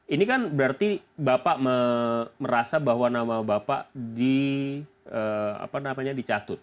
ini kan berarti bapak merasa bahwa nama bapak dicatut